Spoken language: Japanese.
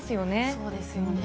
そうですよね。